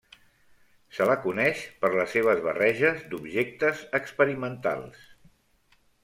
Se la coneix per les seves barreges d'objectes experimentals.